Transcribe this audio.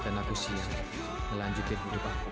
dan aku siap melanjutkan hidup aku